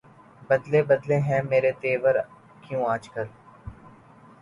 بدلے بدلے ہیں میرے تیور کیوں آج کل